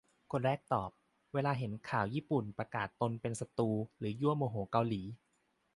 คนแรกตอบ "เวลาเห็นข่าวญี่ปุ่นประกาศตนเป็นศัตรู หรือยั่วโมโหเกาหลี"